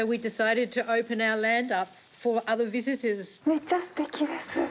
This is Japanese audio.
めっちゃすてきです。